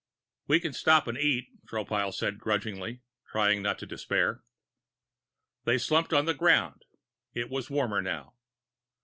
"We can stop and eat," Tropile said grudgingly, trying not to despair. They slumped to the ground. It was warmer now.